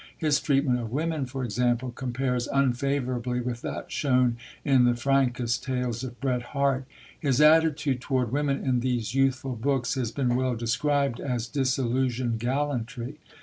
His treatment of women, for example, compares unfavourably with that shown in the frankest tales of Bret Harte. His attitude toward women in these youthful books has been well described as "disillusioned gallantry."